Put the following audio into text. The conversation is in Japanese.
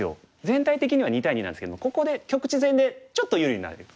全体的には２対２なんですけどここで局地戦でちょっと優位になれる。